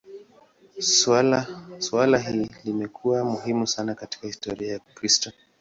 Suala hili limekuwa muhimu sana katika historia ya Ukristo.